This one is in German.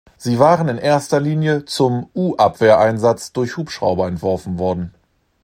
Sie waren in erster Linie zum U-Abwehr-Einsatz durch Hubschrauber entworfen worden.